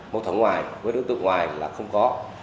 mối thẩm ngoài với đối tượng ngoài là không có